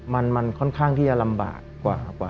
มันค่อนข้างที่จะลำบากกว่า